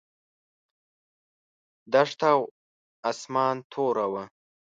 دښته او اسمان توره وه.